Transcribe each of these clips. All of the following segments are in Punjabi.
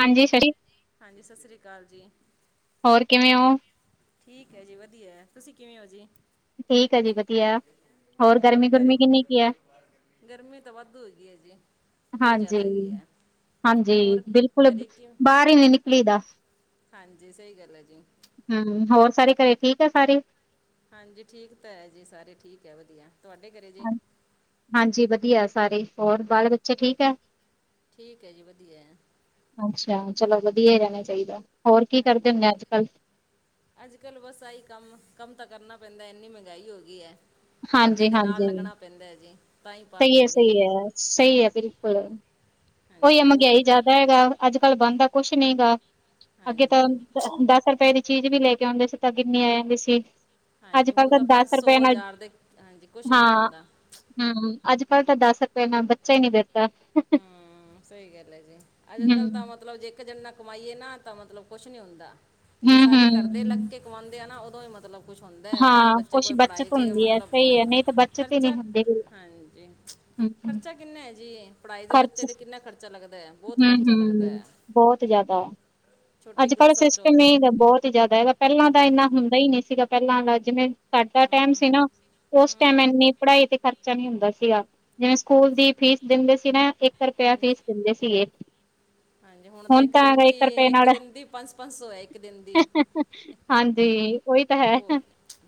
ਹਾਂਜੀ ਸੀ। ਹਾਂਜੀ ਸਤਿ ਸ਼੍ਰੀ ਅਕਾਲ ਜੀ। ਹੋਰ ਕਿਵੇਂ ਹੋ। ਠੀਕ ਹੈ ਜੀ, ਵਧੀਆ, ਤੁਸੀਂ ਕਿਵੇਂ ਹੋ ਜੀ। ਠੀਕ ਹੈ ਜੀ ਵਧੀਆ ਹੋਰ ਗਰਮੀ ਗੁਰਮੀ ਕਿੰਨੀ ਕੀ ਹੈ। ਗਰਮੀ ਤਾਂ ਵਾਧੂ ਹੈਗੀ ਹੈ ਜੀ। ਬਹੁਤ ਹਾਂਜੀ ਜ਼ਿਆਦਾ ਹੈਗੀ ਹੈ ਹਾਂਜੀ, ਹੋਰ ਬਿਲਕੁਲ, ਘਰੇ ਕਿਵੇਂ ਬਾਹਰ ਹੀ ਨੀ ਨਿਕਲੀ ਦਾ। ਹਾਂਜੀ ਸਹੀ ਗੱਲ ਹੈ ਜੀ। ਹੂ ਹੋਰ ਸਾਰੇ ਘਰੇ ਠੀਕ ਆ ਸਾਰੇ। ਹਾਂਜੀ, ਠੀਕ ਤਾਂ ਹੈ ਜੀ, ਸਾਰੇ ਠੀਕ ਹੈ, ਵਧੀਆ, ਤੁਹਾਡੇ ਘਰੇ ਜੀ। ਹਾਂਜੀ। ਵਧੀਆ ਸਾਰੇ ਹੋਰ ਬਾਅਦ ਵਿੱਚ ਠੀਕ ਹੈ ਜੀ। ਵਧੀਆ ਆ। ਅੱਛਾ ਚਲੋ ਵਧੀਆ ਹੀ ਰਹਿਣਾ ਚਾਹੀਦਾ। ਹੋਰ ਕੀ ਕਰਦੇ ਹਾਂਜੀ ਹੁੰਦੇ ਅੱਜ ਕੱਲ ਅੱਜ ਕੱਲ੍ਹ ਬਸ ਆਈ ਕੰਮ, ਕੰਮ ਤਾਂ ਕਰਨਾ ਪੈਂਦਾ ਇੰਨੀ ਮਹਿੰਗਾਈ ਹੋ ਗਈ ਹੈ। ਬੰਦੇ ਹਾਂਜੀ ਦੇ ਨਾਲ ਹਾਂਜੀ ਲੱਗਣਾ ਪੈਂਦਾ ਹੈ ਜੀ। ਤਾਂ ਹੀ ਪਾਰ ਸਹੀ ਹੈ, ਪੈਂਦੀ ਸਹੀ ਹੈ, ਸਹੀ ਹੈ ਬਿਲਕੁਲ। ਉਹੀ ਹਾਂਜੀ ਆ ਬਹੁਤ ਮਹਿੰਗਾਈ ਔਖਾ ਜ਼ਿਆਦਾ ਹੈਗਾ ਅੱਜ ਕੱਲ੍ਹ ਬੰਣਦਾ ਕੁਛ ਨਹੀਂ ਹੈ ਗਾ। ਅੱਗੇ ਤਾਂ, ਹਾਂਜੀ ਦਸ ਰੁਪਏ ਦੀ ਚੀਜ਼ ਵੀ ਲੈ ਕੇ ਆਉਂਦੇ ਸੀ ਤਾਂ ਕਿੰਨੀ ਆ ਜਾਂਦੀ ਸੀ। ਅੱਜ ਹਾਂਜੀ। ਕੱਲ ਹੁਣ ਤਾਂ ਪੰਜ ਦਸ ਸੌ ਰੁਪਏ ਨਾਲ ਹਜ਼ਾਰ ਦੇ ਹਾਂਜੀ। ਕੁਛ ਨਹੀਂ ਬਣਦਾ। ਹਮ ਅੱਜ ਕੱਲ੍ਹ ਤਾਂ ਦੱਸ ਰੁਪਏ ਨਾ ਬੱਚਾ ਹੀ ਨੀ ਦੇਤਾ। ਹਮ। ਸਹੀ ਗੱਲ ਹੈ ਜੀ। ਅੱਜ ਕੱਲ ਹੂੰ, ਤਾਂ ਮਤਲਬ ਜੇ ਇੱਕ ਜਨਾ ਕਮਾਈਏ ਨਾ ਤਾਂ ਮਤਲਬ ਕੁਛ ਨਹੀਂ ਹੁੰਦਾ। ਜੇ ਸਾਰੇ ਕਰਦੇ ਲ ਹੂੰ-ਹੂੰ। ਕਮਵਾਉਂਦੇ ਆ ਨਾ ਉਦੋਂ ਹੀ ਮਤਲਬ ਕੁਛ ਹੁੰਦਾ ਹੈ ਤਾਂ ਹੀ ਹਾਂ, ਬੱਚੇ ਕੁਛ ਕੋਈ ਬੱਚਤ ਪੜ੍ਹਾਈ ਚਚ ਹੁੰਦੀ ਹੈ, ਮਤਲਬ ਸਹੀ ਹੈ, ਨਹੀਂ ਤਾਂ ਖਰਚਾ ਹਾਜੀ। ਹਮ। ਖਰਚਾ ਕਿੰਨਾ ਹੈ ਜੀ। ਪੜ੍ਹਾਈ ਦੇ ਬੱਚੇ ਕਿੰਨਾ ਖਰਚਾ ਲੱਗਦਾ, ਬਹੁਤ ਖਰਚਾ ਲੱਗਦਾ ਹੈ। ਹੂੰ-ਹੂੰ, ਛੋਟੀ ਅੱਜ ਕੱਲ੍ਹ ਕਲਾਸਾਂ 'ਚੋਂ ਸਿਸਟਮ ਇਹ ਬਹੁਤ ਹੀ ਜ਼ਿਆਦਾ ਹੈਗਾ। ਪਹਿਲਾਂ ਤਾਂ ਇੰਨਾ ਹੁੰਦਾ ਹੀ ਨਹੀਂ ਸੀਗਾ। ਪਹਿਲਾਂ ਜਿਵੇਂ ਸਾਡਾ ਟਾਈਮ ਹੂੰ ਸੀ ਨਾ। ਉਸ ਟਾਈਮ ਹੂੰ ਇਨੀ ਪੜ੍ਹਾਈ ਤੇ ਖਰਚ ਚਾ ਨੀ ਹੁੰਦਾ ਸੀਗਾ। ਜਿਵੇਂ ਸਕੂਲ ਦੀ ਫੀਸ ਦਿੰਦੇ ਸੀ ਨਾ ਇੱਕ ਰੁਪਇਆ ਫੀਸ ਹਾਂਜੀ ਦਿੰਦੇ ਸੀਗੇ। ਹਾਂਜੀ। ਹੁਣ ਤਾਂ ਇੱਕ ਦਿਨ ਦੀ ਇੱਕ ਦਿਨ ਦੀ ਪੰਜ ਪੰਜ ਸੌ ਹੈ ਇੱਕ ਦਿਨ ਦੀ। ਹਾਂਜੀ, ਉਹੀ ਤਾਂ ਬਹੁਤ ਹੈ।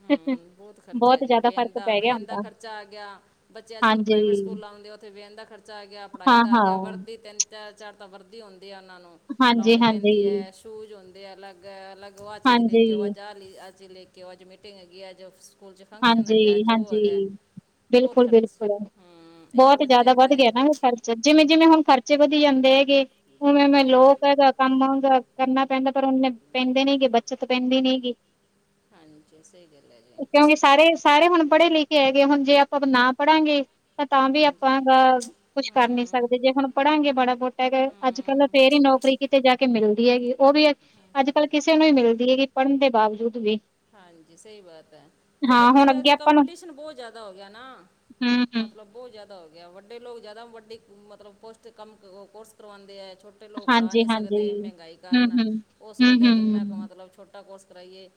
ਹਮ, ਬਹੁਤ ਖਰਚਾ ਹੈ ਜੀ ਜ਼ਿਆਦਾ ਵੇਨ ਫ਼ਰਕ ਦਾ, ਪੈ ਗਿਆ ਹੁਣ ਵੈਨ ਦਾ ਤਾਂ, ਖਰਚਾ ਆ ਗਿਆ। ਬੱਚੇ ਅੱਜ ਕੱਲ ਹਾਂਜੀ, ਪ੍ਰਾਈਵੇਟ ਸਕੂਲ ਆਉਂਦੇ ਆ ਉੱਥੇ ਵਿਆਹਿਣ ਦਾ ਖਰਚਾ ਆ ਗਿਆ। ਪੜ੍ਹਾਈ ਦਾ ਆ ਗਿਆ। ਹਾਂ-ਹਾਂ, ਵਰਦੀ ਤਿੰਨ ਚਾਰ -ਚਾਰ ਤਾਂ ਵਰਦੀ ਹੁੰਦੀ ਆ ਉਹਨਾਂ ਨੂੰ ਲਾਉਣੀ ਹਾਂਜੀ-ਹਾਂਜੀ, ਪੈਂਦੀ ਹੈ। ਸ਼ੂਜ ਹੁੰਦੇ ਆ ਅਲੱਗ, ਅਲੱਗ ਆਹ ਚੀਜ਼ ਲੈ ਕੇ ਆਓ। ਹਾਂਜੀ, ਅੱਜ ਆਹ, ਆਹ ਚੀਜ਼ ਲੈ ਕੇ ਆਓ। ਅੱਜ ਮੀਟਿੰਗ ਹੈਗੀ ਆ ਅੱਜ। ਸਕੂਲ 'ਚ ਫੰਕਸ਼ਨ ਹੈਗਾ ਅੱਜ ਉਹ ਹਾਂਜੀ-ਹਾਂਜੀ। ਹੈਗਾ ਬਹੁਤ ਬਿਲਕੁਲ, ਖਰਚ ਬਿਲਕੁਲ ਹਮ ਇੱਕ ਬਹੁਤ ਬੱਚੇ ਜਿਆਦਾ ਵੱਧ ਤੇ ਗਿਆ ਨਾ। ਫ ਸਚੀ ਮੁਚੀ ਹੁਣ ਖਰਚੇ ਵਧੀ ਜਾਂਦੇ ਹੈਗੇ। ਉਵੇਂਵੇਂ ਹਾਂਜੀ ਲੋਕ ਹੈਗਾ ਕੰਮਾਂਗਾ। ਕਰਨਾ ਪੈਂਦਾ ਪਰ ਉਹਨੇ ਪੈਂਦੇ ਨੇਗੇ ਬੱਚਤ ਪੈਂਦੀ ਨਹੀਂਗੀ। ਹਾਂਜੀ, ਸਹੀ ਗਲ ਜੀ। ਕਿਉਂਕਿ ਸਾਰੇ ਸਾਰੇ ਹੁਣ ਪੜ੍ਹੇ- ਲਿਖੇ ਹੈਗੇ ਹੁਣ ਜੇ ਆਪਾਂ ਨਾ ਪੜਾਂਗੇ। ਤਾਂ ਤਾਂ ਵੀ ਹਾਂਜੀ ਆਪਾਂ ਕੁਛ ਕਰ ਨੀ ਹਮ ਸਕਦੇ ਜੇ। ਹੁਣ ਪੜਾਂਗੇ ਮਾੜਾ- ਮੋਟਾ ਹੈਗਾ। ਅੱਜ ਕੱਲ ਤਾਂ ਹਮ ਫੇਰ ਹੀ। ਨੌਕਰੀ ਕਿਤੇ ਜਾ ਕੇ ਮਿਲਦੀ ਹੈਗੀ। ਉਹ ਵੀ ਅੱਜ-ਕੱਲ੍ਹ ਕਿਸੇ ਨੂੰ ਵੀ ਮਿਲਦੀ ਹੈਗੀ ਪੜ੍ਹਨ ਦੇ ਬਾਵਜੂਦ ਵੀ। ਹਾਂਜੀ ਸਹੀ ਬਾਤ ਹੈ, ਤੇ ਹਾਂ ਹੁਣ ਬੱਚੇ ਅੱਗੇ ਅੱਜ ਆਪਾਂ ਨੂੰ ਕੰਪੀਟੀਸ਼ਨ ਬਹੁਤ ਜਿਆਦਾ ਹੋ ਗਿਆ, ਨਾ ਹੂੰ ਹੂੰ ਮਤਲਬ ਬਹੁਤ ਜ਼ਿਆਦਾ ਹੋ ਗਿਆ, ਵੱਡੇ ਲੋਕ ਜ਼ਿਆਦਾ ਵੱਡੀ ਮਤਲਬ ਪੋਸਟ ' ਕੰਮ ਕੋਰਸ ਕਰਵਾਦੇ ਹੈ ਛੋਟੇ ਛੋਟੇ ਲੋਕ ਕਰਾ ਹਾਂਜੀ ਨਹੀਂ ਹਾਂਜੀ ਸਕਦੇ ਮਹਿੰਗਾਈ, ਹੂੰ ਕਾਰਨ ਹੂੰ ਉਹ ਹੂੰ ਸੋਦੇ ਹੂੰ ਜਿੰਨਾ ਕੁ ਮਤਲਬ ਛੋਟੇ ਛੋਟਾ ਕੋਰਸ ਕਰਾਈਏ,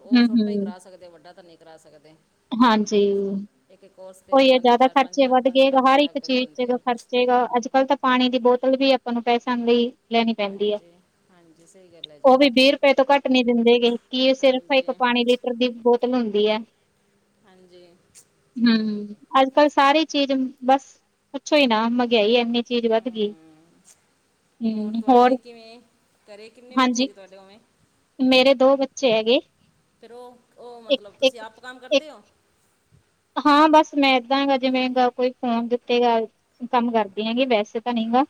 ਉਹ ਹੂੰ ਛੋਟਾ ਹੀ ਹੂੰ ਕਰਾ ਸਕਦੇ, ਵੱਡਾ ਤਾਂ ਨਹੀਂ ਕਰਾ ਸਕਦੇ। ਹਾਂਜੀ। ਇੱਕ ਇੱਕ ਕੋਰਸ ਤੇ ਉਈ ਹੈ, ਪਤਾ ਨਹੀਂ ਜਿਆਦਾ ਖਰਚੇ ਵੱਧ ਗਏ ਲੱਖ ਹਰ ਇੱਕ ਲੱਗ ਚੀਜ਼ ਜਾਂਦੇ ਚ' ਆ ਖਰਚੇ ਅੱਜ-ਕੱਲ੍ਹ ਤਾਂ ਪਾਣੀ ਦੀ ਬੋਤਲ ਵੀ ਆਪਾਂ ਨੂੰ ਪੈਸਣ ਲਈ ਲੈਣੀ ਪੈਂਦੀ ਹੈ। ਹਾਂਜੀ ਹਾਂਜੀ ਸਹੀ ਗੱਲ ਹੈ ਉਹ ਜੀ ਵੀ ਵੀਹ ਰੁਪਏ ਤੋਂ ਘੱਟ ਨਹੀਂ ਦਿੰਦੇ ਗੇ ਕੀ ਸਿਰਫ ਹਾਂਜੀ ਇੱਕ ਪਾਣੀ ਲਈ ਤਰ ਦੀਪ ਬੋਤਲ ਹੁੰਦੀ ਹੈ। ਹਾਂਜੀ। ਸਹੀ ਹਮ, ਗੱਲ ਹੈ ਜੀ ਅੱਜ ਕੱਲ੍ਹ ਸਾਰੀ ਚੀਜ਼ ਬਸ, ਪੁੱਛੋ ਹੀ ਨਾ ਮਹਿਗਈ ਇਨੀ ਚੀਜ਼ ਵੱਧ ਗਈ। ਹਮ, ਹੋਰ ਤੁਹਾਡੇ ਕਿਵੇਂ? ਘਰੇ ਕਿੰਨੇ ਬੱਚੇ ਹੈ ਹਾਂਜੀ ਜੇ ਤੁਹਾਡੇ ਉਵੇਂ ਮੇਰੇ ਦੋ ਬੱਚੇ ਹੈਗੇ। ਫੇਰ ਉਹ ਉਹ ਇੱਕ ਮਤਲਬ, ਇੱਕ ਤੁਸੀਂ ਆਪ ਕੰਮ ਇੱਕ ਕਰਦੇ ਹੋ? ਹਾਂ ਬਸ ਮੈਂ ਏਦਾਂ ਗ ਜਿਵੇਂ ਕੋਈ ਫੋਨ ਦਿੱਤੇ ਗ। ਕੰਮ ਕਰਦੀ ਹੈਗੀ ਵੈਸੇ ਤਾਂ ਨਹੀਂ ਗਾ,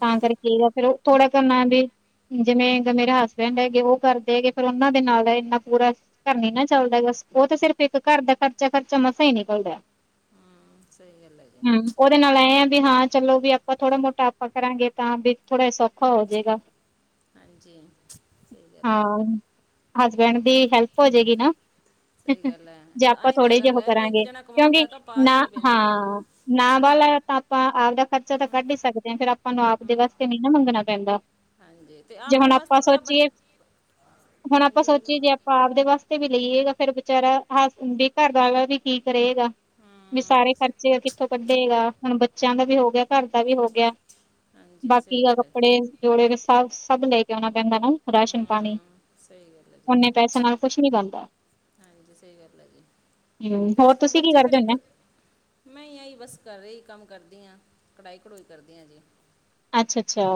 ਤਾਂ ਕਰਕੇ ਫੇਰ ਥੋੜਾ ਕਰਨਾ ਵੀ ਜਿਵੇਂ ਮੇਰੇ ਹਸਬੈਂਡ ਹੈਗੇ ਉਹ ਕਰਦੇ ਹੈਗੇ, ਫੇਰ ਉਹਨਾਂ ਦੇ ਨਾਲ ਦਾ ਇੰਨਾ ਪੂਰਾ ਕਰਨਰੀ ਨਾ ਚੱਲਦਾ, ਉਹ ਤਾਂ ਸਿਰਫ ਇੱਕ ਘਰ ਦਾ ਖਰਚਾ ਖਰਚਾ ਮਸਾ ਹੀ ਨਿਕਲਦਾ। ਹਮ, ਸਹੀ ਗੱਲ ਐ, ਹੂੰ, ਉਹਦੇ ਨਾਲ ਐਏ ਆ ਵੀ ਹਾਂ ਚਲੋ, ਵੀ ਆਪਾਂ ਥੋੜ੍ਹਾ ਮੋਟਾ ਆਪਾਂ ਕਰਾਂਗੇ ਤਾਂ ਵੀ ਥੋੜਾ ਸ ਹੋਜੇਗਾ। ਹਾਂਜੀ, ਸਹੀ ਗੱਲ ਹਾਂ ਹੈ ਹਸਬੈਂਡ ਦੀ ਹੈਲਪ ਹੋ ਜਾਏਗੀ ਨਾ, ਸਹੀ ਗੱਲ ਹੈ, ਜੇ ਆਪਾਂ ਤਾਂਹੀ ਤਾਂ ਥੋੜੇ ਜਿਹੇ ਗੱਲ ਉਹ ਹੈ, ਵੀ ਇੱਕ ਕਰਾਂਗੇ ਜਣਾ ਕਿਉਂਕਿ ਕਮਾਦਾ ਤਾਂ ਪਾਰ ਹੀ ਨਾ ਨੀ ਪੈਂਦੀ। ਹਾਂ ਨਾ ਬਾਹਾ ਤਾਂ ਆਪਾਂ ਆਪ ਦਾ ਖ਼ਰਚਾ ਤਾਂ ਕੱਢ ਹੀ ਸਕਦੇ ਹਾਂ, ਫੇਰ ਆਪਾਂ ਨੂੰ ਆਪਦੇ ਹਮ, ਵਾਸਤੇ ਵੀ ਨਾ ਮੰਗਣਾ ਪੈਂਦਾ। ਹਾਂਜੀ ਤੇ ਜੇ ਆਪਣੇ ਹੁਣ ਆਪਾਂ ਵਾਸਤੇ ਕਿਆ ਬੱਚ ਸੋਚੀਏ, ਹੁਣ ਆਪਾਂ ਹਾਂਜੀ ਬੋਲੋ ਸੋਚੀਏ ਜੇ। ਆਪਪ ਦੇ ਵਾਸਤੇ ਵੀ ਲਈਏਗਾ, ਫੇਰ ਬਾਰਾ ਹਸ ਵੀ ਘਰ ਦਾ ਵੀ ਠੀਕ ਰਹੇਗਾ, ਵੀ ਹਮ ਸਾਰੇ ਖਰਚੇ, ਉੱਥੋਂ ਕੱਢੇਗਾ, ਹੁਣ ਬੱਚਿਆਂ ਦਾ ਵੀ ਹੋ ਗਿਆ ਘਰ ਦਾ ਵੀ ਹੋ ਗਿਆ, ਹਾਂਜੀ ਸਹੀ ਬਾਕੀ ਦਾ ਗੱਲ ਹੈ ਕੱਪੜੇ ਜੋੜੇ ਸ ਸਭ ਲੈ ਕੇ ਆਣਾ ਪੈਂਦਾ, ਨਾ ਰਾਸ਼ਨ ਪਾਣੀ ਹਮ ਸਹੀ ਗੱਲ ਹੈ ਜੀ ਓਨੇ ਪੈਸੇ ਨਾਲ ਕੁਛ ਨੀ ਹਾਂਜੀ ਸਹੀ ਗੱਲ ਹੈ, ਜੀ ਹੂੰ ਤੇ ਹੋਰ ਅੱਜ-ਕੱਲ੍ਹ ਤੁਸੀਂ ਕੀ ਬੱਚੇ ਫਿਰ ਕਰਦੇ ਹੁੰਦੇ ਇੱਕ ਮੈਂ ਆ ਹੀ ਬਸ ਕਰ ਰਹੀ ਕੰਮ ਕਰਦੀ ਹਾਂ, ਕਢਾਈ-ਕਢੂਈ ਕਰਦੀ ਹਾਂ ਜੀ। ਅੱਛਾ-ਅੱਛਾ,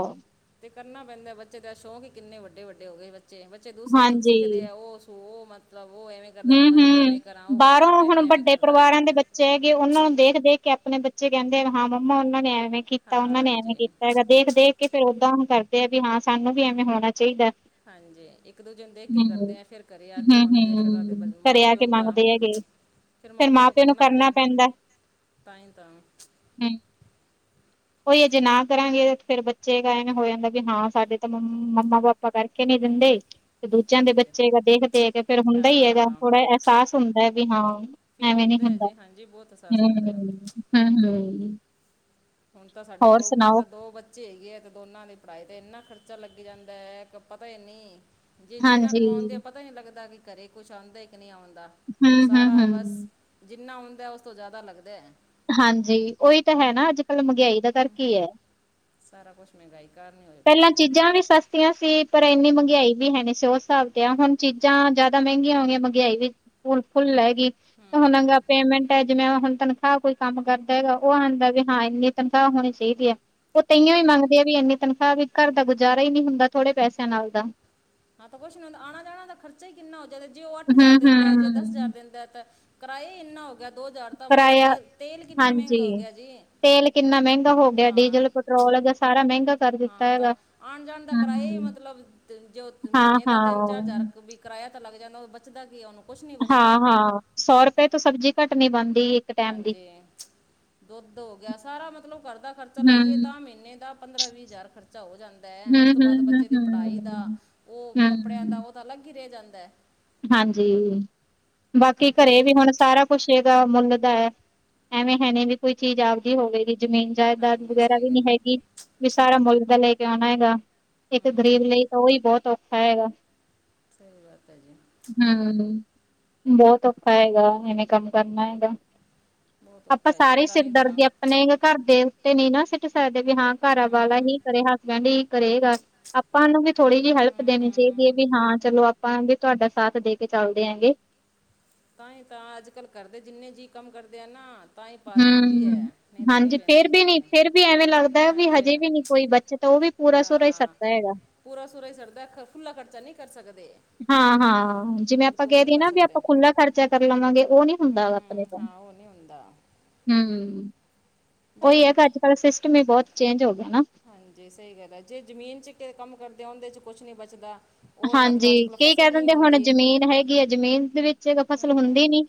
ਤੇ ਕਰਨਾ ਪੈਂਦਾ, ਬੱਚੇ ਦਾ ਸ਼ੌਂਕ ਹੀ ਕਿੰਨੇ ਵੱਡੇ-ਵੱਡੇ ਹੋ ਗਏ ਬੱਚੇ, ਦੂਸਰੇ ਤੋਂ ਹਾਂਜੀ ਸਿੱਖਦੇ, ਉਹ ਮਤਲਬ ਉਹ ਐਵੇਂ। ਕਰਦਾ ਤਾਂ ਮੈਂ ਵੀ ਹੂੰ-ਹੂੰ, ਐਵੇਂ ਕਰਾਂ ਉਹ ਕਰਦਾ ਬਾਹਰੋਂ ਤਾਂ ਮੈਂ ਹੁਣ ਵੀ ਐਵੇਂ ਵੱਡੇ ਕਰਦਾ ਪਰਿਵਾਰਾਂ ਦੇ ਬ ਹੈਗੇ ਉਹਨਾਂ ਨੂੰ ਦੇਖ-ਦੇਖ, ਕੇ ਆਪਣੇ ਬੱਚੇ ਕਹਿੰਦੇ ਹਨ ਹਾਂ ਮੰਮਾ ਉਹਨਾਂ ਨੇ ਐਵੇਂ ਕੀਤਾ ਉਹਨਾਂ ਨੇ ਐਵੇਂ ਹਾਂਜੀ ਕੀਤਾ ਹੈਗਾ, ਦੇਖ-ਦੇਖ ਕੇ ਫੇਰ ਓਦਾਂ ਕਰਦੇ ਆ ਵੀ ਹਾਂ ਸਾਨੂੰ ਵੀ ਐਵੇਂ ਹੋਣਾ ਚਾਹੀਦਾ। ਹਾਂਜੀ ਇੱਕ ਦੂਜਨ ਦੇਖ ਕੇ ਕਰਦੇ, ਆ ਹੂੰ-ਹੂੰ-ਹੂੰ ਫੇਰ ਘਰੇ ਆ ਕੇ ਮੰਗਦੇ ਆ ਫਿਰ। ਘਰੇ ਮਾਂ ਆ ਪਿਓ ਕੇ ਨੂੰ ਤਾਂ ਮੰਗਦੇ ਹੈਗੇ ਫਿਰ ਮਾਂ ਪਿਓ ਨੂੰ ਕਰਨਾ ਪਿਆ। ਤਾਈ ਤਾਂ, ਹੂੰ, ਉਹੀ ਅਜੇ ਨਾ ਕਰਾਂਗੇ, ਫੇਰ ਬੱਚੇ ਕ ਇਹਨਾ ਹੋ ਜਾਂਦਾ ਵੀ ਹਾਂ ਸਾਡੇ ਤਾਂ ਮੰਮਾ, ਪਾਪਾ ਪ ਕਰਕੇ ਨੇ ਦਿੰਦੇ। ਦੂਜਿਆਂ ਦੇ ਹਾਂਜੀ ਬੱਚੇ ਹੈ ਦੇਖ- ਦੇਖ ਫੇਰ ਹੁੰਦਾ ਹੀ ਹੈਗਾ ਹਾਂ ਥੋੜ੍ਹਾ ਅਹਿਸਾਸ ਹੁੰਦਾ ਹੈ ਵੀ ਹਾਂ ਫੀਲ ਐਵੇਂ ਨੀ ਹੁੰਦਾ ਹੈ ਜੀ। ਹਾਂਜੀ ਬਹੁਤ ਅਹਿਸਾਸ ਹੁੰਦੈ। ਹਮ ਹਮ। ਹੁਣ ਤਾਂ ਸਾਡੇ ਦੋ, ਮੇਰੇ ਤਾਂ ਦੋ ਬੱਚ ਚੇਗੀ ਐ ਤੇ ਦੋਨਾਂ ਨੇ ਪੜ੍ਹਾਈ ਤੇ ਇੰਨਾ ਖਰਚਾ ਲੱਗੀ ਜਾਂਦਾ ਹੈ ਕੇ ਪਤਾ ਹੀ ਨਹੀਂ। ਜੇ ਜਿੰਨਾ ਹਾਂਜੀ ਕਮਾਉਂਦੇ ਆ ਪਤਾ ਹੀ ਨਹੀਂ ਲੱਗਦਾ ਕਿ ਘਰੇ ਕੁਛ ਆਂਦਾ ਕਿ ਨਹੀਂ ਆਉਂਦਾ। ਹੂੰ ਹੂੰ ਸਾਰਾ ਵਸ ਹੂੰ ਜਿੰਨਾ ਓਦਾ ਉਸ ਤੋਂ ਜਾਦਾ ਲੱਗਦਾ। ਹਾਂਜੀ। ਉਹੀ ਤੇ ਹੈ ਨਾ ਅੱਜ ਕੱਲ੍ਹ ਮੰਗਿਆਾਈ ਦਾ ਕਰਕੇ ਹੀ ਹੈ। ਸਾਰਾ ਕੁਛ ਮਹਿੰਗਾਈ ਕਾਰਨ ਈ ਹੋਏ ਪਏ ਹੈ। ਤੀਆਂ ਸੀ ਪਰ ਏਨੀ ਮੰਗਿਆਈ ਵੀ ਹੈ ਨਹੀਂ ਸੀ। ਉਸ ਹਿਸਾਬ ਤੇ ਆ ਹੁਣ ਚੀਜ਼ਾਂ ਜ਼ਿਆਦਾ ਮਹਿੰਗੀਆਂ ਹੋ ਗਈਆਂ ਮੰਗਿਆਈ ਵੀ। ਫੁੱਲ - ਫੁੱਲ ਲੈਗੀ ਤੇ ਹੁਣ ਅ ਹੂੰ ਪੇਮੈਂਟਾ ਜਿਵੇਂ ਹੁਣ ਤੈਨੂੰ ਤਖਾਹ ਕੋਈ ਕੰਮ ਕਰਦਾ ਹੈਗਾ ਉਹ ਆਦਾ ਵੀ ਹਾਂ ਇੰਨੀ ਤਨਖਾਹ ਹੋਣੀ ਚਾਈਦੀ ਹੈ ਉਹ ਤੇਈਓ ਈ ਹਾਂਜੀ ਮੰਗਦੇ ਆ ਵੀ ਇੰਨੀ ਤਨਖਾਹ ਵੀ ਘਰ ਦਾ ਗੁਜ਼ਾਰਾ ਈ ਨੀ ਹੁੰਦਾ ਥੋੜੇ ਪੈਸਿਆਂ ਨਾਲ ਦਾ। ਹਾਂ ਤਾਂ ਕੁੱਛ ਨੀ ਹੁੰਦਾ ਆਣਾ ਜਾਣਾ, ਤਾਂ ਖਰਚਾ ਹੀ ਕਿੰਨਾ ਹੋ ਜਾਂਦਾ, ਜੇ ਉਹ ਅੱਠ ਹਜ਼ਾਰ ਦਿੰਦਾ ਜੇ ਦਸ ਹਜ਼ਾਰ ਹੂੰ-ਹੂੰ ਦਿੰਦਾ ਤੇ। ਕਿਰਾਏ ਇੰਨਾ, ਦੋ ਹਜ਼ਾਰ ਤਾਂ ਮਤਲਬ ਕਿਰਾਇਆ ਤੇਲ-ਤੇਲ ਕਿੰਨਾ ਹਾਂਜੀ ਮਹਿੰਗਾ ਹੋ ਗਿਆ ਜੀ, ਹਾਂ ਪੈਟ੍ਰੋਲ ਏਗਾ ਸਾਰਾ ਮਹਿੰਗਾ। ਕਰ ਦਿੱਤਾ ਹਾਂ ਤਾਂ ਹੈਗਾ ਆਣ ਜਾਣ ਦਾ ਕਿਰਾਇਆ, ਹੀ ਹੂੰ ਮਤਲਬ ਜੋ ਮਹੀਨੇ ਦਾ ਤਿੰਨ ਚਾਰ ਹਾਂ-ਹਾਂ ਹਜ਼ਾਰ ਵੀ ਕਿਰਾਇਆ ਤਾਂ ਲੱਗ ਜਾਂਦਾ, ਉਹ ਬਚਦਾ ਕੀ ਉਹਨੂੰ ਕੁਝ ਨਹੀਂ ਬਚਦਾ ਹਾਂ -ਹਾਂ ਸੌ ਰੁਪਏ ਤੋਂ ਸਬਜ਼ੀ ਘੱਟ ਨੀ ਬਣਦੀ। ਹਾਂਜੀ ਦੁੱਧ ਹੋ ਗਿਆ ਸਾਰਾ ਮਤਲਬ ਘਰ ਦਾ ਖਰਚਾ ਲਾਈਏ ਤਾਂ ਹੂੰ, ਮਹੀਨੇ ਦਾ ਪੰਦਰਾਂ ਵੀਹ ਹਜ਼ਾਰ ਖਰਚਾ ਹੋ ਜਾਂਦਾ ਐ ਹੂੰ, ਉਸ ਤੋਂ ਹੂੰ, ਬਾਅਦ ਹੂੰ, ਬੱਚੇ ਦੀ ਪੜ੍ਹਾਈ ਦਾ, ਹੂੰ, ਉਹ ਕੱਪੜਿਆਂ ਦਾ ਹੂੰ। ਉਹ ਪਤਾ ਅੱ ਗਿਰਿਆ ਜਾਂਦਾ ਹੈ [unintelligible] ਹਾਂਜੀ। ਫਿਰ ਬਾਕੀ ਕੀ ਘਰੇ ਕਰੀਏ ਵੀ ਹੁਣ ਸਾਰਾ ਪੁੁਛੇਗਾ ਮੁੱਲ ਦਾ ਹੈ ਐਵੇਂ ਹੈਵੈ ਵੀ ਕੋਈ ਚੀਜ਼ ਆਪਦੀ ਹੋ ਗਈ ਜ਼ਮੀਨ ਜਾਇਦਾਦ ਹਾਂਜੀ ਵਗੈਰਾ ਸਹੀ ਵੀ ਨਈ ਗੱਲ ਹੈ ਹੈਗੀ। ਕਿ ਸਾਰਾ ਮੁਲਕ ਦਾ ਲੈ ਕੇ ਆਣਾ ਹੈਗਾ। ਇੱਕ ਗ਼ਰੀਬ ਹੂੰ ਲਈ ਤਾਂ ਉਹੀ ਬਹੁਤ ਔਖਾ ਹੈਗਾ। ਸਹੀ ਬਾਤ ਹੈ ਜੀ। ਹਮ ਬਹੁਤ ਔਖਾ ਹੈਗਾ। ਇਹਨੇ ਕੰਮ ਕਰਨਾ ਹੈਗਾ। ਬਹੁਤ ਆਪਾਂ ਔਖਾ ਹੈ ਜੀ ਸਾਰੇ ਈ ਤਾਂ ਸਿਰ ਹੀ ਤਾਂ ਦਰਦੀ ਆਪ ਆਪਣੇ ਘਰ ਦੇ ਉੱਤੇ ਨਈ ਨਾ ਸਿੱਟ ਸਕਦੇ। ਹਾਂ ਘਰਵਾਲਾ ਹੂੰ ਹੀ ਕਰੇਹਾ, ਹਸਬੈਂਡ ਹੀ ਕਰੇਗਾ। ਆਪਾਂ ਨੂੰ ਵੀ ਥੋੜ੍ਹੀ ਜੀ ਹੈਲਪ ਹੂੰ ਦੇਣੀ ਚਾਈਦੀ ਹੈ ਹੂੰ ਵੀ ਹਾਂ ਚਲੋ ਆਪਾਂ ਵੀ ਤੁਹਾਡਾ ਸਾਥ ਦੇ ਕੇ ਚੱਲਦੇ ਐ ਗੇ। ਤਾ ਈ ਤਾਂ, ਅੱਜ ਕੱਲ ਘਰਦੇ ਜਿੰਨੇ ਜੀਅ ਕੰਮ ਕਰਦੇ ਆ ਨਾ ਤਾਂ ਹੀ ਪਾਰ ਪੈਂਦੀ ਹੂੰ। ਹੈ। ਨਈ ਤਾਂ ਨਈ ਹਾਂਜੀ ਫੇਰ ਪੈਂਦੀ ਵੀ ਜੀ, ਨੀ ਫੇਰ ਵੀ ਐਵੇਂ ਲੱਗਦਾ ਵੀ ਹਾਂਜੀ। ਹਜੇ ਵੀ ਨੀ ਕੋਈ ਬੱਚਤ ਉਹ ਵੀ ਪੂਰਾ ਸੂਰਾ ਹੀ ਹਾਂ ਸਰਦਾ ਹੈਗਾ। ਪੂਰਾ ਸੂਰਾ ਈ ਸਰਦਾ ਖੁੱਲਾ ਖਰਚਾ ਨਹੀਂ ਕਰ ਸਕਦੇ। ਹਾਂ -ਹਾਂ ਜਿਵੇਂ ਆਪਾਂ ਬਿਲਕੁਲ ਕਹਿ ਨਹੀਂ ਦੀਏ ਕਰ ਨਾ ਵੀ ਸਕਦੇ ਆਪਾਂ ਖੁੱਲਾ ਖਰਚਾ ਕਰ ਲਵਾਂਗੇ ਉਹ ਨੀ ਹੁੰਦਾ ਆਪਣੇ। ਹੂੰ ਹਾਂ ਉਹ ਨੀ ਹੁੰਦਾ। ਹਮ ਜੇ ਉਹੀ ਹੈ ਕਿ ਅੱਜ ਕਲ ਸਿਸਟਮ ਈ ਬਹੁਤ ਚੇਂਜ ਹੋ ਗਿਆ ਨਾ। ਹਾਂਜੀ। ਸਹੀ ਗੱਲ ਐ ਜੇ ਜ਼ਮੀਨ 'ਚ ਕੇ ਕੰਮ ਕਰਦੇ ਔਂਦੇ 'ਚ ਕੁਛ ਨੀ ਬਚਦਾ। ਉਹ ਹਾਂਜੀ। ਮਤਲਬ ਅੱਜ ਕੱਲ ਕਈ ਕਹਿ ਫਸਲ ਨਹੀਂ ਦਿੰਦੇ ਹੁਣ ਹੁੰਦੀ ਜ਼ਮੀਨ ਹੈਗੀ ਐ ਜ਼ਮੀਨ ਦੇ ਵਿੱਚ ਫਸਲ ਹੂੰ ਹੁੰਦੀ ਨੀ।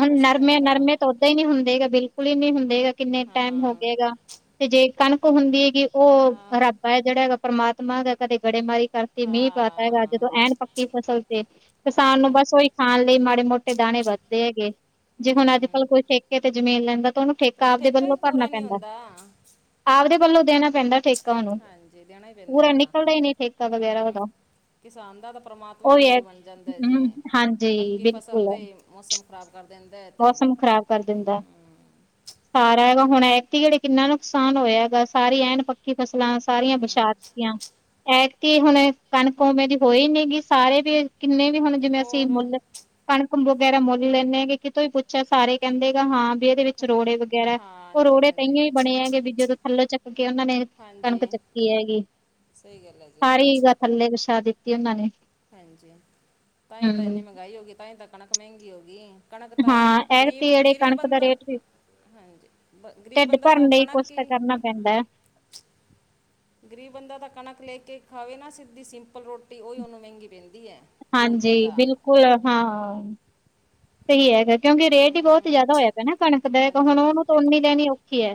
ਹੁਣ ਕੁਝ ਨਹੀਂ ਨਰਮੇ ਹੁੰਦਾ -ਨਰਮੇ ਤੋ ਦੇ ਈ ਨਹੀਂ ਹੁੰਦੇ ਕਦੇ ਬਿਲਕੁਲ ਹੀ ਨੀ ਹੁੰਦੇ ਆ ਕਿੰਨੇ ਟਾਈਮ ਹੋ ਹਾਂ ਗਏ ਹੈਗਾ ਤੇ ਜੇ ਕਣਕ ਹੁੰਦੀ ਹੈਗੀ ਹਾਂ। ਮੈ ਜਿਹੜਾ ਹੈਗਾ ਪਰਮਾਤਮਾ ਦਾ ਕਦੇ ਗੜੇਮਾਰੀ ਕਰਤੀ ਮੀਂਹ ਪਾਤ ਹੈਗਾ ਹਾਂ ਜਦੋਂ, ਐਨ ਪੱਕੀ ਫਸਲ ਤੇ ਕਿਸਾਨ ਹਾਂਜੀ ਨੂੰ ਬਸ ਉਹੀ ਖਾਣ ਲਈ ਮਾੜੇ- ਮੋਟੇ ਦਾਣੇ ਵੱਧਦੇ ਹੈਗੇ। ਜੇ ਹੁਣ ਅੱਜ -ਕੱਲ ਹੂੰ ਕੋਈ ਠੇਕੇ ਤੇ ਜ਼ਮੀਨ ਲੈਂਦਾ ਤੇ ਉਹਨੂੰ ਉਹ ਠੇਕਾ ਆਪਦੇ ਹੀ ਵੱਲੋਂ ਭਰਨਾ ਪੂਰਾ ਨਹੀਂ ਪੈਂਦਾ? ਹੁੰਦਾ ਆਪਦੇ ਵੱਲੋਂ ਦੇਣਾ ਪੈਂਦਾ ਠੇਕਾ ਓਨੂੰ ਹਾਂਜੀ ਦੇਣਾ ਹੀ ਪੈਂਦਾ ਪੂਰਾ ਹੈ ਤਾਂ ਨਿਕਲਦਾ ਹੀ ਨਹੀਂ ਠੇਕਾ ਵਗੈਰਾ ਉਹਦਾ। ਹੂੰ ਕਿਸਾਨ ਦਾ-ਦਾ ਪਰਮਾਤਮਾ ਉਹ ਹੀ ਵੀ ਹੈ ਵੈਰੀ ਬਣ ਜਾਂਦਾ ਐ ਜੀ ਹਮ ਹਾਂਜੀ ਪੱਕੀ ਫਸਲ ਬਿਲਕੁਲ 'ਤੇ ਈ ਮੌਸਮ ਖ਼ਰਾਬ ਕਰ ਦਿੰਦਾ ਤੇ ਮੌਸਮ ਖ਼ਰਾਬ ਕਰ ਦਿੰਦਾ ਹੂੰ ਸਾਰਾ ਹੈਗਾ ਹੁਣ ਐਕਤੀ ਘੜੇ ਕਿੰਨਾ ਨੁਕਸਾਨ ਹੋਇਆ ਹੈਗਾ ਸਾਰੀ ਐਨ ਪੱਕੀ ੀ ਫਸਲਾਂ ਸਾਰੀਆਂ ਬਛਾ ਹੂੰ ਦਿੱਤੀਆਂ ਐਤਕੀ ਹੁਣ ਕਣਕ ਉਵੇਂ ਦੀ ਹੋਈ ਨਹੀਂ ਹੈਗੀ ਸਾਰੇ ਵੀ ਕਿੰਨੇ ਵੀ ਹੁਣ ਤੇ ਜਿਵੇਂ ਅਸੀਂ ਹੋਰ ਮੁੱਲ ਕਣਕ ਵਗੈਰਾ ਮੁੱਲ ਲੈਂਦੇ ਆ ਕਿਤੋਂ ਹੀ ਪੁੱਛਿਆ ਸਾਰੇ ਕਹਿੰਦੇ ਹਾਂ ਦੇ ਵਿੱਚ ਰੋੜੇ ਵਗੈਰਾ ਉਹ ਹਾਂਜੀ ਰੋੜੇ ਤਾਂ ਹਾਂਜੀ ਇਏ ਹੀ ਬਣੇ ਹੈਗੇ ਵੀ ਜਦੋਂ ਥੱਲੋਂ ਚੱਕ ਕੇ ਉਹਨਾਂ ਨੇ ਕਣਕ ਹਾਂਜੀ ਚੱਕੀ ਹੈਗੀ। ਸਹੀ ਗੱਲ ਏ ਜੀ। [unintelligible] ਥੱਲੇ ਵਿਛਾ ਦਿੱਤੀ ਉਹਨਾਂ ਨੇ। ਹਾਂਜੀ ਤਾਂ ਹੀ ਤਾਂ ਹਮ ਇੰਨੀ ਮਹਿੰਗਾਈ ਹੋ ਗਈ ਤਾਂ ਹੀ ਤਾਂ ਕਣਕ ਮਹਿੰਗੀ ਹੋ ਗਈ ਕਣਕ ਤਾਂ ਹਾਂ ਐਤਕੀ ਗਰੀਬ ਜਿਹੜੇ ਗਰੀਬ ਕਣਕ ਦਾ ਬੰਦਾ ਰੇਟ ਵੀ ਹਾਂਜੀ ਬ ਗ਼ਰੀਬ ਢਿੱਡ ਬੰਦਾ ਤਾਂ ਭਰਨ ਉਹ ਲਈ ਕੁਛ ਕਣਕ ਤਾਂ ਹੀ ਕਰਨਾ ਪੈਂਦਾ ਹੈ। ਗਰੀਬ ਬੰਦਾ ਦਾ ਕਣਕ ਲੈ ਕੇ ਖਾਵੇ ਨਾ ਸਿੱਧੀ ਸਿੰਪਲ ਰੋਟੀ ਉਹੀ ਉਹਨੂੰ, ਮਹਿੰਗੀ ਪੈਂਦੀ ਐ। ਹਾਂਜੀ। ਬਿਲਕੁਲ ਹਾਂ ਸਹੀ ਹੈਗਾ। ਕਿਉਂਕਿ ਰੇਟ ਹੀ ਬਹੁਤ ਹਮ, ਜ਼ਿਆਦਾ ਹੋਇਆ ਪਯਾਂ ਨਾ ਕਣਕ ਦਾ ਹੁਣ ਹਾਂਜੀ ਉਹਨੂੰ ਤੇ ਪਕ ਉਨੀ ਲੈਣੀ ਔਖੀ ਹੈ।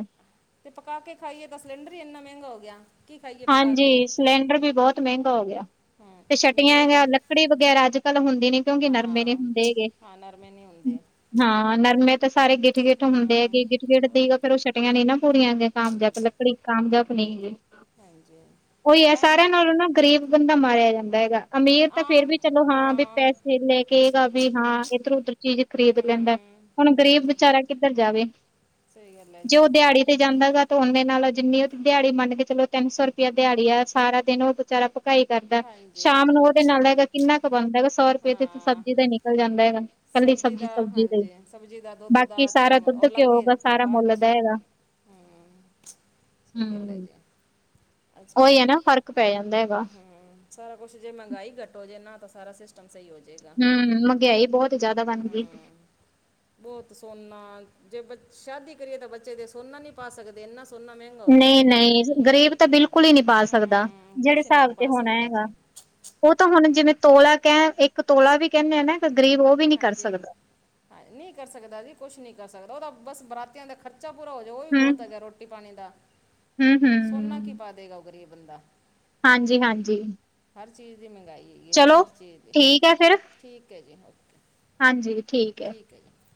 ਤੇ ਪਕਾ ਕੇ ਖਾਈਏ ਤਾਂ ਸਲੇਂਡਰ ਈ ਏਨਾ ਮਹਿੰਗਾ ਹੋ ਗਿਆ। ਕੀ ਖਾਈਏ ਪਕਾ ਕੇ ਹਾਂਜੀ। ਸਲੇਂਡਰ ਵੀ ਬਹੁਤ ਮਹਿੰਗਾ ਹੋ ਗਿਆ। ਹਾਂ ਤੇ ਛਟੀਆਂ ਮੈਨੇ ਦਾ ਹੈਗਾ ਲੱਕੜੀ ਵਗੈਰਾ ਅੱਜ ਕੱਲ ਹੁੰਦੀ ਨੀ ਕਿਉਂਕਿ ਨਰਮੇ ਨੀ ਹਾਂ ਹੁੰਦੇ ਹੈਗੇ। ਹਾਂ ਨਰਮੇ ਨਹੀਂ ਹੁੰਦੇ ਹਾਂ ਨਰਮੇ ਤਾਂ ਸਾਰੇ ਗਿੱਠ-ਗਿੱਠ ਹੁੰਦੇ ਹਾਂ ਹੈਗੇ ਗਿੱਠ ਗਿੱਠ ਦੀ ਫੇਰ ਉਹ ਛਟੀਆਂ ਨੇ ਨਾ ਪੂਰੀਆਂ ਦੀਆਂ ਕਾਮਯਾਬ ਲੱਕੜੀ ਕਾਮਯਾਬ ਨਹੀਂ ਹੈ। ਹਾਂਜੀ ਉਹੀ ਹੈ ਤਾਂ ਹੀ- ਸਾਰਿਆਂ ਨਾਲ ਉਹ ਨਾ ਗਰੀਬ ਬੰਦਾ ਮਾਰਿਆ ਜਾਂਦਾ ਹੈਗਾ। ਤੇ ਅਮੀਰ ਤਾਂ ਫੇਰ ਆਮ ਵੀ ਚਲੋ ਹਾਂ ਵੀ ਪੈਸੇ ਲੈ ਕੇਏਗਾ ਵੀ ਹਾਂ ਇਧਰ ਉਧਰ ਚੀਜ਼ ਖਰੀਦ ਲੈਂਦਾ। ਹਮ, ਹੁਣ ਗ਼ਰੀਬ ਹਾਂਜੀ ਵਿਚਾਰਾ ਕਿੱਧਰ ਜਾਵੇ। ਸਹੀ ਗੱਲ ਹੈ ਜੀ। ਜਾਂਦਾ ਗਾ ਤੇ ਉਹਦੇ ਨਾਲ ਜਿੰਨੀ ਉਹ ਦਿਹਾੜੀ ਮੰਨ ਕੇ ਚਲੋ ਤਿੰਨ ਸੌ ਰੁਪਇਆ ਦਿਹਾੜੀ ਆ ਸਾਰਾ ਦਿਨ ਉਹ ਵਿਚਾਰਾ ਭਕਾਈ ਕਰਦਾ, ਹਾਂਜੀ ਸ਼ਾਮ ਨੂੰ ਉਹਦੇ ਨਾਲ ਹੈਗਾ ਕਿੰਨਾ ਕੁ ਬਣਦਾ ਹੈਗਾ ਸੌ ਰੁਪਏ ਤੇ ਹਾਂ ਸਬਜ਼ੀ ਦਾ ਈ ਨਿ ਕਲ ਜਾਂਦਾ ਹੈਗਾ। ਇਕੱਲੀ ਸਬਜ਼ੀ ਦਾ ਸਬਜ਼-ਸੁਬਜ਼ੀ ਲਈ ਹਾਂਜੀ ਸਬਜ਼ੀ ਦਾ ਦੁੱਧ ਬਾਕੀ ਦਾ ਤੇ ਸਾਰਾ ਦੁੱਧ, ਉਹ ਅਲੱਗ ਘਿਓ ਹੀ ਗਾ ਸਾਰਾ ਬਾਅਦ ਮੁੱਲ ਚ ਦਾ ਹੈਗਾ। ਹਮ, ਹੂੰ [unintelligible] ਅੱਜ ਕੱਲ ਉਹੀ ਹੈ ਨਾ ਫ਼ਰਕ ਪੈ ਜਾਂਦਾ ਹੈਗਾ। ਹਮ ਸਾਰਾ ਕੁਛ ਜੇ ਮਹਿੰਗਾਈ ਘੱਟ ਜੇ ਨਾ ਤਾਂ ਸਾਰਾ ਸਿਸਟਮ ਸਹੀ ਹੋ ਜਾਏ। ਹੂੰ-ਹੂੰ ਮਹਿੰਗਾਈ ਬਹੁਤ ਜਿਆਦਾ ਬਣ ਗਈ। ਹਮ ਬਹੁਤ ਸੋਨਾ ਜੇ ਬ ਸ਼ਾਦੀ ਕਰੀਏ ਤਾਂ ਬੱਚੇ ਦੇ ਸੋਨਾ ਨਹੀਂ ਪਾ ਸਕਦੇ ਇੰਨਾ ਸੋਨਾ ਮੈਂ ਨਹੀਂ-ਨਹੀਂ ਗ਼ਰੀਬ ਤਾਂ ਬਿਲਕੁਲ ਹੀ ਨਹੀਂ ਪਾ ਸਕਦਾ ਹਮ ਜਿਹੜੇ ਕੁਝ ਨਹੀਂ ਹਿਸਾਬ ਤੇ ਪਾ ਹੁਣ ਸਕਦਾ ਜੀ ਹੈਗਾ। ਉਹ ਤਾਂ ਹੁਣ ਜਿਵੇਂ ਤੋਲਾ ਕਹਿ ਇੱਕ ਤੋਲਾ ਵੀ ਕਹਿੰਦੇ ਆ ਨਾ ਗਰੀਬ ਉਹ ਵੀ ਨਹੀਂ ਕਰ ਹਾਂਜੀ, ਸਕਦਾ। ਹਾਂ ਨਹੀਂ ਕਰ ਸਕਦਾ ਜੀ ਕੁਛ ਨਹੀਂ ਕਰ ਸਕਦਾ ਉਹ ਤਾਂ ਬਸ ਬਰਾਤੀਆਂ ਦਾ ਖਰਚਾ ਪੂਰਾ ਹੋ ਹੈ ਉਹ ਵੀ ਬਹੁਤ ਹੈਗਾ ਰੋਟੀ ਪਾਣੀ ਦਾ। ਹੂੰ-ਹੂੰ ਸੋਨਾ ਕੀ ਪਾ ਦੇਗਾ ਉਹ ਗਰੀਬ ਬੰਦਾ। ਹਾਂਜੀ-ਹਾਂਜੀ ਹਰ ਚੀਜ਼ ਦੀ ਮਹਿੰਗਾਈ ਹੈਗੀ ਹੈ ਜੀ ਚਲੋ ਹਰ ਚੀਜ਼ ਦੀ, ਠੀਕ ਹੈ ਫਿਰ ਠੀਕ ਹੈ ਜੀ ਓਕੇ। ਹਾਂਜੀ ਠੀਕ ਏ। [unintelligible]